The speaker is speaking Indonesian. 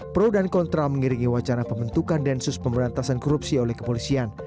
pro dan kontra mengiringi wacana pembentukan densus pemberantasan korupsi oleh kepolisian